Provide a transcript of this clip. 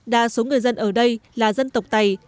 đa số người dân ở đây là dân tộc tày